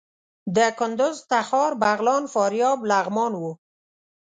د کندوز، تخار، بغلان، فاریاب، لغمان وو.